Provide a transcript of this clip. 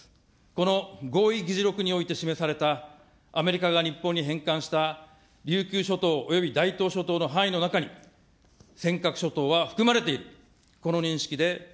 この合意議事録において示された、アメリカが日本に返還した琉球諸島、および大東諸島の範囲の中に、尖閣諸島は含まれている。